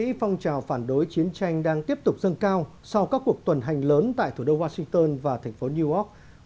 trong khi phong trào phản đối chiến tranh đang tiếp tục dâng cao sau các cuộc tuần hành lớn tại thủ đô washington và thành phố new york